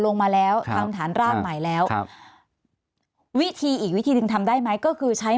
ลงมาแล้วทำฐานรากใหม่แล้วครับวิธีอีกวิธีหนึ่งทำได้ไหมก็คือใช้